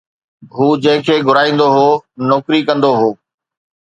هو جنهن کي گهرائيندو هو، نوڪري ڪندو هو